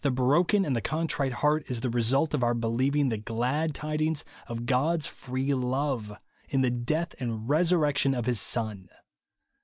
165 broken aud the contrite heart is the result of our believing the glad tidings of God's free love, in the death and resurrection of his Son.